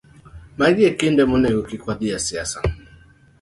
Magi e kinde monego kik wadhi e siasa